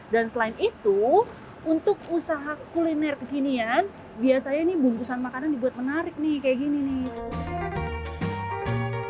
dan selain itu untuk usaha kuliner kekinian biasanya nih bungkusan makanan dibuat menarik nih kayak gini nih